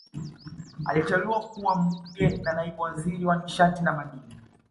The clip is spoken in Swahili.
Aliteuliwa kuwa Mbunge na Naibu Waziri wa Nishati na Madini